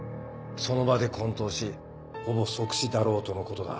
その場で昏倒しほぼ即死だろうとのことだ。